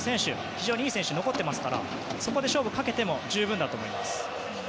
非常にいい選手がいますからそこで勝負をかけても十分だと思います。